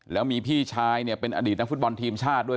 แล้วมีพี่ชายเนี่ยเป็นอดีตนักฟุตบอลทีมชาติด้วย